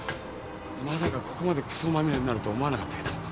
まさかここまでクソまみれになるとは思わなかったけど。